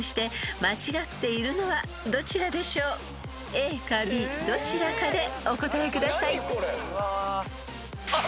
［ＡかＢどちらかでお答えください］あっ！